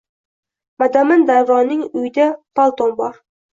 Madamin Davronning uyida pal`tom bor.